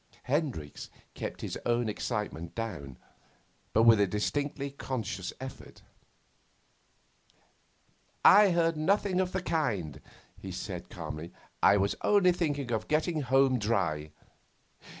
Hendricks kept his own excitement down, but with a distinctly conscious effort. 'I heard nothing of the kind,' he said calmly. 'I was only thinking of getting home dry.